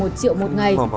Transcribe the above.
một triệu một ngày